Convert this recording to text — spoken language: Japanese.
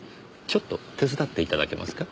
ちょっと手伝っていただけますか？